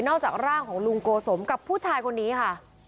จากร่างของลุงโกสมกับผู้ชายคนนี้ค่ะ